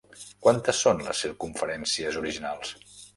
Quantes són les circumferències originals?